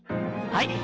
はい！